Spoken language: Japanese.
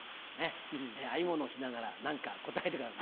編み物をしながら何か答えてください。